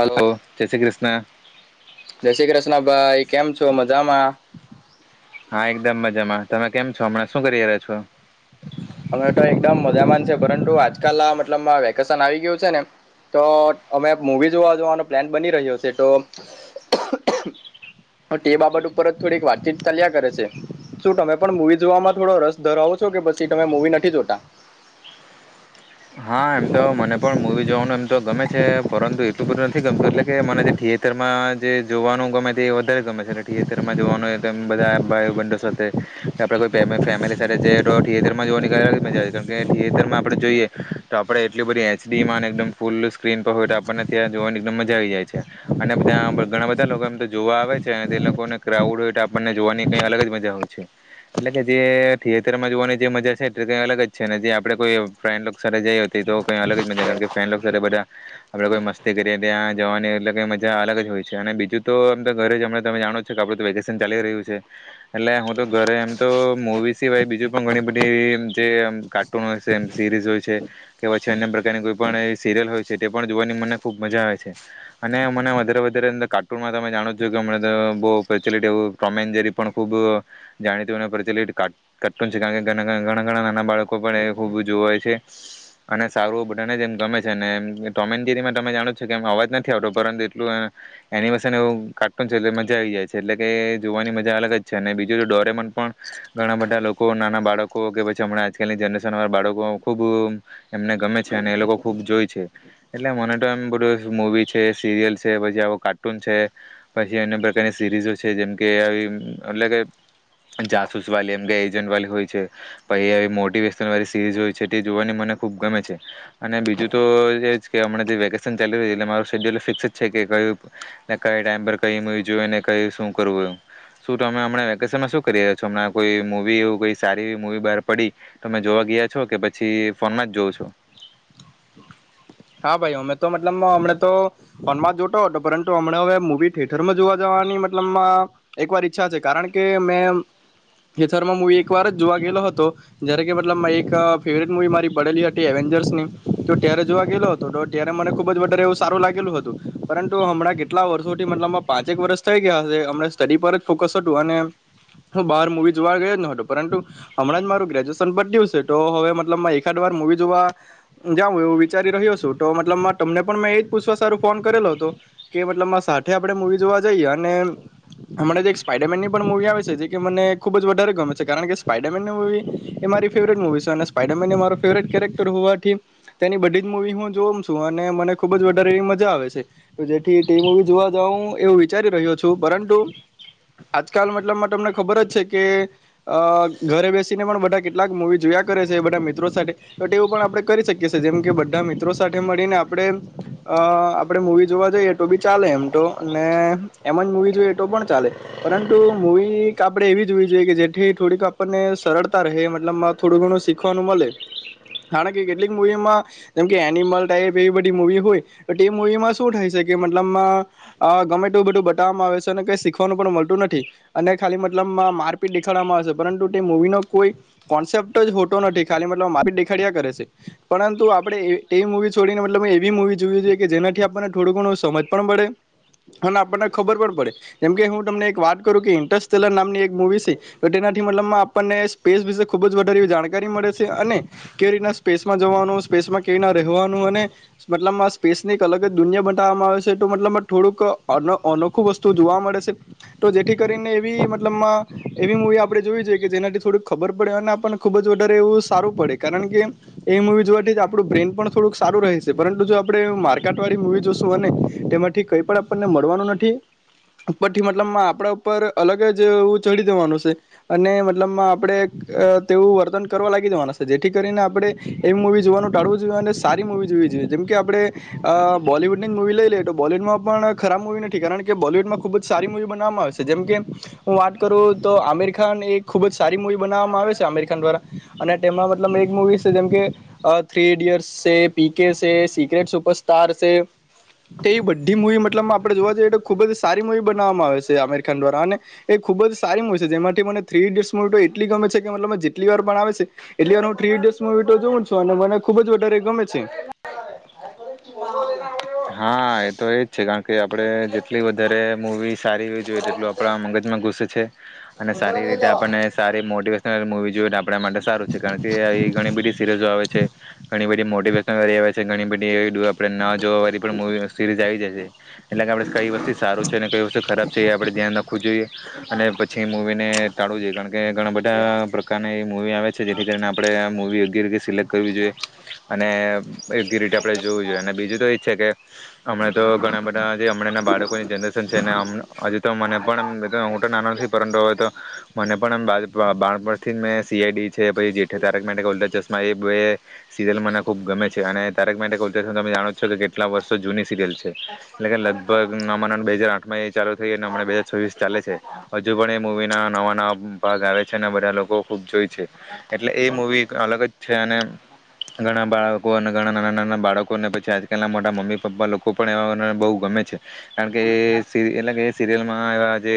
Hello હ જય શ્રી કૃષ્ણ. ક્ના ભાઈ કેમ છો મજામાં. હા એકદમ મજામાં તમે કેમ છો હમણાં શું કરી રહ્યા છો. અમે તો એકદમ મજામાંન છે પરંતુ આજકાલ મતલબમાં વેકેશન આવી ગયું છે ને તો અમે મુવી જોવા જોવાનો પ્લાન બની રહ્યો છે તો [unintelligible] તે બાબત ઉપર જ થોડીક વાતચીત ચાલ્યા કરે છે શું તમે પણ મુવી જોવામાંમાં થોડો રસ ધરાવો છો કે પછી. તમે મુવી નથી જોતા. હા એમ તો મને પણ મુવી જોવાનું એમ તો ગમે છે પરંતુ એટલું બધું નથી ગમતું એટલે કે મને જે થિયેટરમાં જે જોવાનું ગમે તે એ વધારે ગમે છે એટલે થિયેટરમાં જોવાનું તો એ બધા ભાઈ બંધો સાથે આપડે કોઈ ફેમિલી સાથે જ તો થિયેટર માં જોવાની અલગ જ મજા કારણ કે થિયેટરમાં આપડે જોઈએ. તો આપડે એટલી બધી એચડી માં એકદમ ફૂલ સ્ક્રીન પર હોય તો આપણને ત્યાં જોવાની એકમ મજા આવી જાય છે અનેધ્યાં ઘણા બધા લોકો એમ તો જોવા આવે છે અને તે લોકોને ક્રાઉડ હોય આપણને જોવાની કઈ અલગ જ મજા હોય છે એટલે કે જે થિયેટરમાં જોવાની જે મજા છે એ કઈ અલગ જ છે જે આપે કોઈ ફે જઈ હો હતી તો કઈ અલગ જ મજા કારણ કે ફેન બધા આપડે કોઈ મસ્તી કરીએ ત્યાં જવાની એટલે કઈ મજા અલગ જ હોય છે અને બીજું તોમ તો ઘરે જમ તમે જાણો જ છે કે આપડું તો વેકેશન ચાલી રહ્યું છે એટલે હું તો ઘરે એમ તો મુવી સિવાય બીજું પણ ઘણી બધી જેમ કાર્ટૂન છે એમ સિરીઝ હોય છે. કે પછી અન્ય પ્રકારની કોઈ પણ સિરિયલ હોય છે તે પણ જોવાની મને ખુબ મજા આવે છે અને મને વધારે વધારે કાર્ટૂનમાં તમે જાણો છો કે બઉ પ્રચલિત એવું ટોમ એન્ડ જેરી પણ ખૂબ જાણીત અને પ્રચલિત કાર્ટૂન છે કારણ કે ઘણા ઘણા નાના બાળકો પણ એ ખૂબ જોવે છે. અને સારું બધાને જ એમ ગમે છે ને એમ ટોમેન્જેરીમાં તમે જાણો છો કેમ અવાજ નથી આવતો પરંતુ એટલું એની વસે એવું કાર્ટૂન છે મજા આવી જાય છે એટલે કે જોવાની મજા અલગ જ છે અને બીજું ડોરેમન પણ ઘણા બધા લોકો નાના બાળકો કે પછી હમણાં આજકાલની જનરેશન વાળા બાળકો. ખૂબ એમને ગમે છે અને એ લોકો ખૂબ જોય છે એટલે મને તો એમ બધું મૂવી છે સિરિયલ છે પછી આવો કાર્ટૂન છે પછી અન્ય પ્રકારની સિરીઝો છે જેમકે આવી એટલે કે જાસૂસ વાલી એમ કે એજન્ટ વાલી હોય છે પછી આવી મોટિવેશનલ વાળી સિરીઝ હોય છે. તે જોવાની મને ખૂબ ગમે છે અને બીજું તો એ જ કે હમણાં જે વેકેશન ચાલી રહ્યું છે એટલે મારું શેડ્યુલ ફિક્સ છે કે કયું ક ટાઈમ પર કઈ મુવી જોયું ને કયું શું કરવું એ શું તો અમે હમં વેકેશનમાં શું કરી રહ્યા છો હમણાં કોઈ મૂવી એવું કોઈ સારી એવી મવી બહાર પડી તો અમે જોવા ગયા છો કે પછી. પછી ફોનમાં જ જોઉં છું. હા ભાઈ અમે તો મતલબ હમ તો ફોનમાં જ જોતો હતો પરંતુ હમણા હવે મુવી થિઠરમાં જોવા જવાની મતલબ એકવાર ઈચ્છા છે કારણ કે મેં થિઠરમાં મુવી એક વાર જ જોવા ગયેલો હતો જયારે કે મતલબ એક ફેવરેટ મુવી મારી પડેલી હતી એવેન્જર્સની તો ત્યારે જોવા. ગયેલો હતો તો ત્યારે મને ખુબ જ વધારે એવું સારું લાગેલું હતું પરંતુ હમણાં કેટલા વર્ષોથી મતલબ પાંચેક વર્ષ થઈ ગયા હશે હમણાં સ્ટડી પર જ ફોકસ હતું અને હું બહાર મૂવી જોવા ગયો જ નતો પરંતુ હમણાં જ મારું ગ્રેજ્યુએશન પત્યું છે તો હવે મતલબ એકાદ વાર મુવી જોવા જાઉં એવું વિ ારી રહ્યો છ તો મતલ તમને પણ મેં એ જ પૂછવા સારું ફોન કરેલો હતો કે મતલબ સાથે આપણે મુવી જોવા જઈએ અને હમણાં જે એક સ્પાઈડરમેનની પણ મૂવી આવે છે જે મને ખુબ જ વધારે ગમે છે કારણ કે સ્પાઈડરમેનની મૂવી એ મારી ફેવરેટ મુવી છે અને સ્પાઈડરમેન એ મા ફેવરેટ કેરેક્ટર હોવાથી તેની બધી. મુવી હું જો છું અને મને ખુબ જ વધારે એવી મજા આવે છે તો જેથી ટી મુવી જોવા જઉં એવું વિચારી રહ્યો છું પરંતુ, આજકાલ મતલબમાં તમને ખબર જ છે. કે ઘરે બેસીને પણ બધા કેટલાક મુવી જોયા કરે છે બધા મિત્રો સાથે તો તેવું પણ આપણેે કરી શકીએએ જેમ કે. મિત્રો સાથે મળીને આપણે આપણે અ મૂવી જોવા જઈએ તો બી ચાલે એમ તો અને એમ જ મુૂવી જોઈએ તો પણ ચાલે પરંતુ મવી આપણે એવી જોવી જોઈએ કે જેથી થોડીક આપણને સરળતા રહે મતલબ થોડું ઘણું શીખવાનું મળે કારણ કે કેટલીક મુવીમાં. જેમ કે એનિમલ ટાઈપ એવી બધી મુવી હોય તો તે મૂવીમાં શું થાય છે કે મતલબ માં ગમે તે એવું બધું બતાવવામાં આવે છે અને કઈ શીખવાનું પણ મળતું નથી અને ખાલી મતલબ મારપીટ દેખાડવામાં આવે છે પરંતુ તે મુવી નો કોઈ કોન્સેપ્ટ જ હોતો નથી ખાલી મતલબ મારપીટ દેખાડ્યા કરે છે પરંતુ. આપણે એ મુવી છોડીને મતલ એવી મુવી જોવી જોઈએ કે જેનાથી આપણને થોડું ઘણું સમજ પણ પડે અને આપણને ખબર પણ પડે જેમકે હું તમને એક વાત કરું કે ઇન્ટસલર નામની એક મૂવી છે તો તેનાથી મતલબ આપણને સ્પેસ વિશે ખુબ જ વધારે જાણકારી મળે છે અને કેવી રીતના સ્પેસમાં જવાનું. સ્પેસમાં કંઈ ના રહેવાનું અને મતલબમાં સ્પેસની એક અલગ જ દુનિયા બતાવવામાં આવે છે તો મતલબમાં થોડુંક અનોખું વસ્તુ જોવા મળે છે તો જેથી કરીને એવી મતલબમાં એવી મૂવી આપણે જોવી જોઈએ કે જેનાથી થોડુંક ખબર પડે અને પણણ ખૂબ જ વધારે એવું સારું પડે કારણ કે એવી મૂવી જોવાથી જ આપણું બ્રેન પણ થોડુંક સારું રહે છે પરંતુ જો આપણે મારર્કાંટ વાળી મૂવી જોશું અનેને તેમાંથી કઈ પણ આપણને મળવાનું નથી ઉપરથી મતલબમાં આપણા ઉપર અલગ જું ચઢી દેવાનું છે અને મતલબમાં આપણે તેવું વર્તન કરવા લાગી દેવાના છે જેથી કરીને આપણે એવી મૂવી જોવાનું. ટાડવું જોઈએ અને સારી મૂવી જોવી જોઈએ જેમકે આપણે બોલીવૂડની જ મુૂવી લઈ લઈએ તો બોલીવૂડમાં પણ ખરાબ મૂવી નથી કારણ કે બોલીવૂડમાં ખૂબ જ સારી મૂવી બનાવવામાં આવે છે જેમકે હું વાત કરું તો આમિર ખાન એક ખૂબ જ સારી મૂવી બનાવવામાં આવે છે આમિર ખાન દ્વારા અને તેમાં મતલબ એક મૂવી છે જેમકે. થ્રી ઇડિયટ્સ છે, પી કે છે, સિક્રેટ સુપરસ્ટાર છે, એ એવી બધી મૂવી મતલબ આપણે જોવા જઈએ તો ખૂબ જ સારી મૂવી બનાવવામાં આવે છે અમેર ખાન દ્વારા અને એ ખૂબ જ સારી મૂવી છે જેમાંથી મને થ્રી ઇડિયટ્સ મૂવી તો એટલી ગમે છે કે મતલબ જેટલી વાર પણ આવે છે એટલી વાર હું થ્રી ઇડિયટ્સ મુવી તો જોઉં છું અને મને ખુબ જ વધારે ગમે છે. હા એ તો એજ. છે કારણ કે આપણે જેટલી વધારે મુવીઝ. સારી એવી જોઈએ એટલ આપણા મગજમાં ઘુસે છ. છે. અને સારી રીતે આપણને સારી મોટી. મુવી જોવા આપણા માટે સારું છે કારણ કે ઘણી બધી સિરીઝો આવે છે ઘણી બધી મોટેશનલ આવે છે ઘણી બધી. ડૂ આપડે નાજ. જો અવારી પણ મૂવી સિરીઝ આવી જશે એટલે કે આપણે કઈ વસ્તુ સારું છે અને કઈ વસ્તુ ખરાબ છે એ આપણે ધ્યાન રાખવું જોઈએ અને પછી એ મૂવીને ટાળવું જોઈએ કારણ કે ઘણા બધા પ્રકારની એ મૂવી આવે છે જેથી કરીને આપણે આ મૂવી અગીરી સિલેક્ટ કરવી જોઈએ અને. એ સિરીઝ આપે જોવું જોઈએ અને બીજું તો. કે હમણાં તો ઘણા બધા જે હમણાં બાળકોની જનરેશન છે ને હજી તો મને પણ હું તો નાના નથી પરંતુ હવે તો મને પણ બા. મે સીઆઈડી. છે પછ જેઠ ત્યારે જ. એ બે સિરિયલ મને ખુબ ગમે છે અને તક માટેલ તમે જાણો છો. તો કેટલા વર્ષો જૂની. સિરલ છે એટલે કે લગભગ નવા ના બે હજાર આઠમાં એ ચાલુ થઈમ બે હાજાર છવ્વીસ ચાલે છે હજુ પણ એ મવી ના નવાવા. પાાગ આવે છે ને બધા લોકો ખુબ જોઈ. એટલે એ મુવી અલગ જ છે અને. ઘણા બાળકો અને ઘણા નાના નાના. ના બાળકોને પછી. પલા મોા મ્ીપ લોકો. લોકો પણ એને બહુ ગમે છે. કારણ કે એલા કે. સિરિયલમાં એવા જે.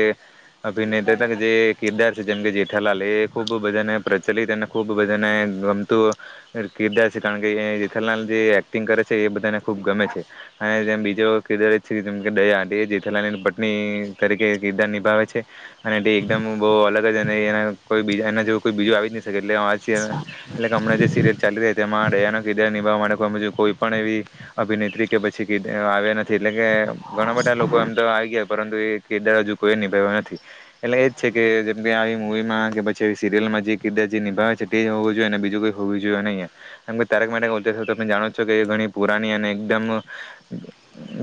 અભિનેતા ત કે જે કેદાર છે જેમ કે જેઠાલાલે. ખુબ બધા ને પ્રચલિત એને ખુબ બધાને ગમતું કીદાર. સણ કે જીથલના જે એક. કરે છે એ બધા. ખુબ ગમે છે અને બી. કિદ જેમયા જેલા પત્ની તરીકે કિરદાર નિભાવે છે અને એકદમ બહુ અલગ જ અને એ કોઈ બીજા એ કોઈ બીજું આવી જ. એટલે હમણા જે સીરિયલ ચાલી રહી તેમાં રયાનો કાર. કોઈ પણ એવી. અભિનેત્રી કે પછી આવ્યા નથી એટલે કે ઘણા બધા લોકો એમ તો આવી ગયા પરંતુ એ કેદાર હજુ કોઈ નિભાવ્યો નથી એટલે એજ છે કે જેમકે આવી મુવીમાં કે પછી સિરિયલમાં જે કદાર જે નિભાવે છે તે હોવું જોઈએ અને બીજું કોઈ હોવું જોઈએ નહીમ તક ત જાણો છો કે ઘણી પુરા એકમ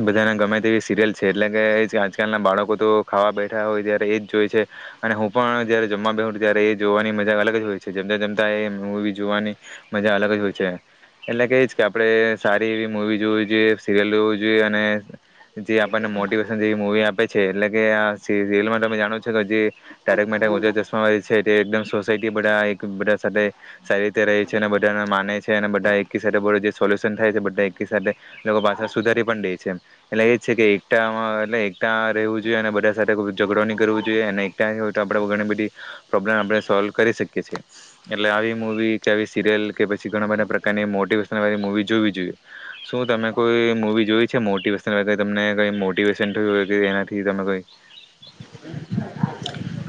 બધાના ગમે તેવી સિરિયલ છે એટલે કે એજ આજકાલના બાળકો તો ખાવા બેઠા હોય ત્યારે એજ જોય છે અને હું પણ જયારે જમવા બેઠ ત્યારે એ જોવાની મજા અલગ જ હોય છે જમતા જમતા એ મવી જોવાની મજા અલગ જ હોય છે એટલે કે એજ કે આપણે વી જો જોઈએ સીરયલું જોઈએ અને જે આપણને મોટિવેશન જેવી મુવી આપે છે એટલે કે આ સલમાં ત જાણો છો કે જેકા ચશ્મા છે એકમ સોાયટી બધાા સાથે સારી રીતે ર છે અને બધા માને છે બધા એક સાથે સોલ્યુશન થાય છે સાથે પાછા સુધારી પણ દે છે એટલે એ જ છે કે એક એટલે એક રહેવું જોઈએ અને બધા સાથે ઝઘડોણી કરવીું જોઈએ અને એકા હોય તો આપણે ઘણી બધી પ્રોબ્લેમ આપણે સોલ્વ કરી શકીએ છીએ એટલે આવી મુૂવી કે આવી સિરિયલ કે પછી ઘણા બધા પ્રકારની મોટિવેશનલ મવી જોવી જોઈએ શું તમે કોઈ મુૂવી જોઈ છે મોટિવેશનલ તમને કઈ મોટિવેશન થયું હોય કે એનાથી તમે કોઈ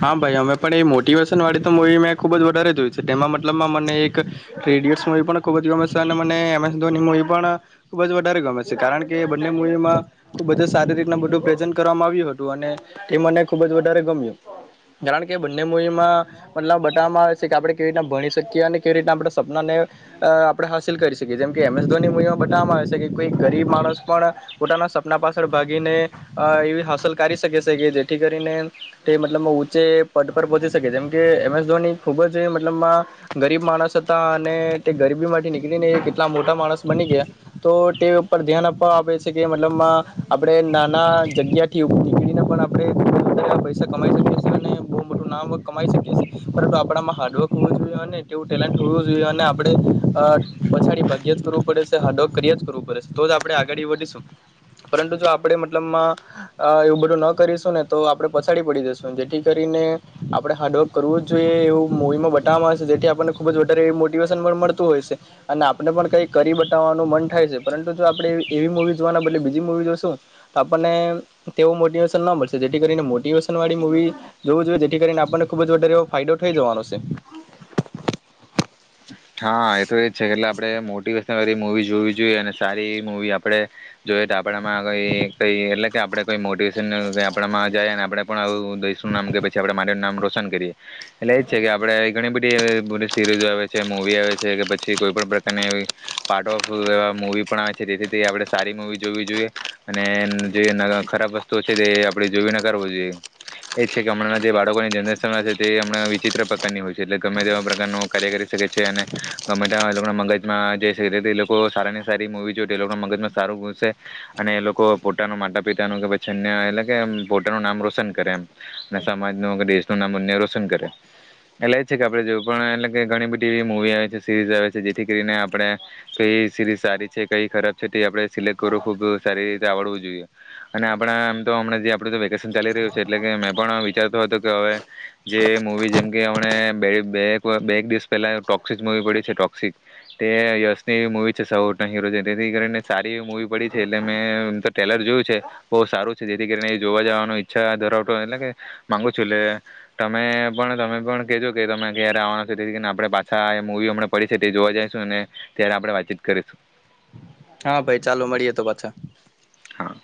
હા ભાઈ અમે પણ એ મોટિવેશન વાળી તો મવી મેં ખુબ જ વધારે જોય છે તે મતલબમાં મને એકડય મવી પણ ખૂબ જ ગમે છે અને મનેસ ધોવી પણ ખુબ જ વધારે ગમે છે કારણ કે બને મવીમાં ખુબ જ સારી રીત બું પ્રેઝ કરવામાં આવ્યું હતું અને એ મને ખૂબ જ વધારે ગમ્યું કારણ કે બંને મૂવીમાં મતલબ બતાવવામાં આવે છે કે આપણે કેવી રીતના ભણી શકીએ અને કેવી રીતના આપણે સપનાને આપણે હાંિલ કરી શકીએ જેમ કે એમ એસ ધોની મૂવીમાં બતાવવામાં આવે છે કે કોઈક ગરીબ માણસ પણ પોતાના સપના પાછળ ભાગીને એવી હાંસલ કરી શકે છે કે જે થી કરીને તે મતલબ ઊંચે પદ પર પહોંચી શકે જેમ કે એમ એસ ધોની ખુબ જ મતલબ ગરીબ માણસ હતા અને તે ગરીબી માંથી નીકળીને એ કેટલા મોટા માણસ બની ગયા તો તે ઉપર ધ્યાન આપવા આપે છે કે મતલબમાં આપણે નાના જગ્યા થી નીકળીને પણ આપ પૈસા કમાઈ શકીએ છીએ અને બહુ મોટું નામવર્ક કમાઈ શકીએ છીએ પરંતુ આપણામાં હાર્ડવર્ક હોવું જોઈએ અને તેવું ટેલેન્ટ હોવું જોઈએ અને આપણે પછાડી ભાગ્ય જ કરવું પડે છે હાર્ડવર્ક કર્યા જ કરવું પડે છે તો જ આપણે આગળ વધીશું પરંતુ જો આપણે મતલબમાં એવું બધું ન કરીશું ને તો આપણે પછાડી પડી જશું જેથી કરીને આપણે હાર્ડવર્ક કરવું જ જોઈએ એવું મવીમાં બતાવવામાં આવેશે જેથી આપણને ખુબ જ વધારે એ મોટિવેશન પણ મળતું હોય છે અને આપણે પણ કઈ કરી બતાવવાનું મન થાય છે પરંતુ જો આપણે એવી મુવી જોવાના બદલે બીજી મુવી જોશું તો આપણને તેવું મોટેશન જો જોઈએ જેથી કરીને આપને ખુબ જ વધારે ફાયદો થઈ જવાનો છે હા એ તો એજ છે કે એટલે આપણેે મોટિવેશન વાી મુવી જોવી જોઈએ અને સારી મુવી આપે જોઈએ તો આપણામાં કઈ કઈ એટલે કે આપડે કઈ મોટિવેશન આપમાં જાય અને આપણે પણ આવું દેશનું નામ કે પછી આપડે મારીનું નામ રોશન કરીએ એટલે એજ છે કે આપડે ઘણી બધી બધી સીરીઝ આવે મવી આવે છે કે પછી કોઈ પણ પ્રકારનીવી પાર્ટ ઓફ એવા મૂવી પણ આવે છે તેથી તે આપણે સારી મૂવી જોવી જોઈએ અને જે ખરાબ વસ્તુઓ છે તે આપણે જોવી નકારવી જોઈએ એ જ છે કે હમણાં જે બાળકોની જનરેશન છે તે હમણાં વિચિત્ર પ્રકારની હોય છે એટલે ગમે તેવા પ્રકારનો કાર્ય અને ગમે લોકોના મગજમાં જઈ શકે એ લોકો સારાની સારી મૂવી જો એ લોકો ના મગજમાં સારું ઘૂસે અને એ લોકો પોતાનો માતા પિતાનું કે પછ અન્ય એટલે કે પોતાનું નામ રોશન કરે એમ અને સમાજનું કે દેશનું નામ અ્ય રોશન કરે એટલે એ છે કે આપે જોવું પણ એટલે કે ઘણી બધી ટીવી મૂવી આવે છે સિરીઝ આવે છે જેથી કરીને આપણે કઈ સીરીઝ સારી છે કઈ ખરાબ છે તે આપડણે સિલેક્ટ કરવું ખુબ સારી રીતે આવડવું જોઈએ અને આપણા આમ તો હમણાં જે આપડું તો વેકેશન ચાલી રહ્યું છે એટલે કે મેં પણ વિચારતો હતો કે હવે જે મવી જેમ કે હમ બે બે એક દિવસ પેલા ટોક્સિક મૂવી પડી છે ટોક્સિક તે યશની એવી મૂવી છે સૌના હીરો છે તેથી કરીને સારી એવી મૂવી પડી છે એટલે મે એમ તો ટ્રેલર જોયું છે બહુ સારું છે જેથી કરીને એ જોવા જવાની ઈચ્છા ધરાવતોો એટલે કે મામાંગુ છું એટલે તમે પણ તમે પણ કહેજો કે તમે ક્યારે આવવાના છો તેથી કરીને આપણે પાછા એ મુવી હમણાં પડી છે તે જોવા જઈશું અને ત્યારે આપણે વાતચીત કરીશું હા ભાઈ ચાલો મળીએ તો પાછા હા